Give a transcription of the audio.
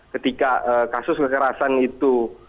ketika kasus kekerasan itu